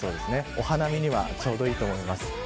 お花見にはちょうどいいです。